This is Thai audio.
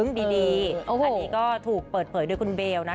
อันนี้ก็ถูกเปิดเผยโดยคุณเบลนะ